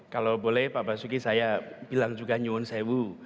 kalau boleh pak basuki saya bilang juga nyun sewu